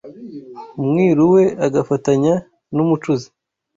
Umwiru we agafatanya n’umucuzi :